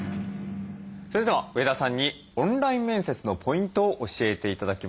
それでは上田さんにオンライン面接のポイントを教えて頂きます。